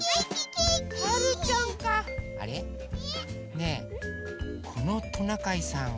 ねえこのトナカイさん